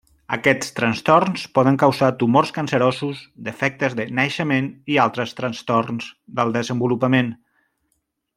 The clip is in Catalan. Aquests trastorns poden causar tumors cancerosos, defectes de naixement i altres trastorns del desenvolupament.